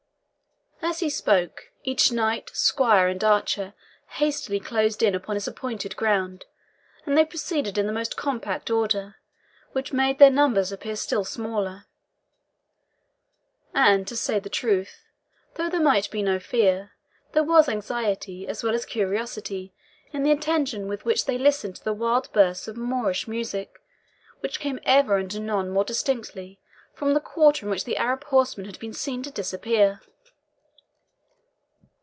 As he spoke, each knight, squire, and archer hastily closed in upon his appointed ground, and they proceeded in the most compact order, which made their numbers appear still smaller. And to say the truth, though there might be no fear, there was anxiety as well as curiosity in the attention with which they listened to the wild bursts of Moorish music, which came ever and anon more distinctly from the quarter in which the Arab horseman had been seen to disappear.